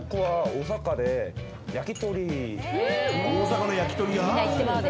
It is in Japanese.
大阪の焼き鳥屋。